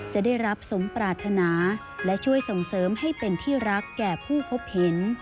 จะได้รับสมปรารถนาและช่วยส่งเสริมให้เป็นที่รักแก่ผู้พบเห็น